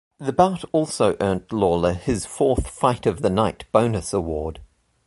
The bout also earned Lawler his fourth "Fight of the Night" bonus award.